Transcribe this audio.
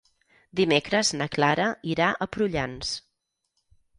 Dimecres na Clara irà a Prullans.